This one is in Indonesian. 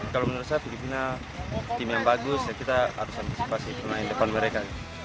kalau menurut saya filipina tim yang bagus ya kita harus antisipasi pemain depan mereka